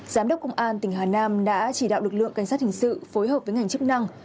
giám đốc công an tỉnh hà nam đã chỉ đạo lực lượng cảnh sát hình sự phối hợp với ngành chức năng